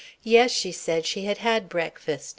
Yes, she said, she had had breakfast.